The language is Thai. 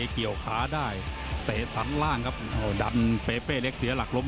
ขวาหมดยกหมดยก